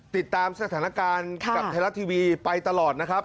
ติดตามสถานการณ์กับไทยรัฐทีวีไปตลอดนะครับ